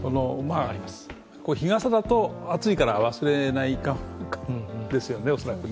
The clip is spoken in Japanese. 日傘だと暑いから忘れないですよね、恐らく。